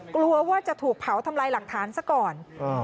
กลัวว่าจะถูกเผาทำลายหลักฐานซะก่อน